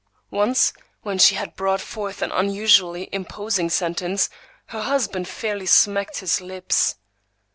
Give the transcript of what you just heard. Once, when she had brought forth an unusually imposing sentence, her husband fairly smacked his lips.